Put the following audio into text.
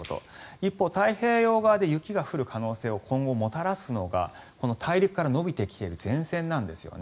一方、太平洋側で雪が降る可能性を今後もたらすのがこの大陸から延びてきている前線なんですよね。